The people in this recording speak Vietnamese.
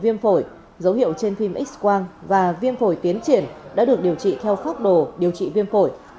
viêm phổi dấu hiệu trên phim x quang và viêm phổi tiến triển đã được điều trị theo pháp đồ điều trị viêm phổi